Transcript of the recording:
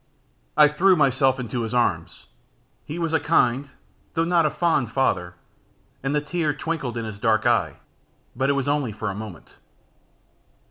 I threw myself into his arms. He was a kind, though not a fond father, and the tear twinkled in his dark eye, but it was only for a moment.